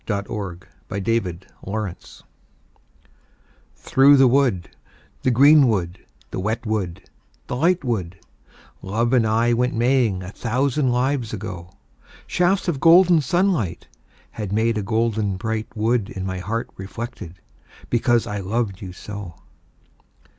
ROSEMARY 51 THROUGH THE WOOD THKOUGH the wood, the green wood, the wet wood, the light wood, Love and I went maying a thousand lives ago ; Shafts of golden sunlight had made a golden bright wood In my heart reflected, because I loved you so.